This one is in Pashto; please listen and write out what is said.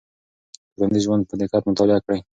ټولنیز ژوند په دقت مطالعه کړئ.